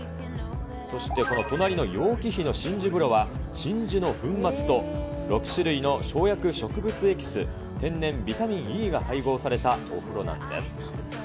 そして、この隣の楊貴妃の真珠風呂は、真珠の粉末と、６種類の生薬植物エキス、天然ビタミンＥが配合されたお風呂なんです。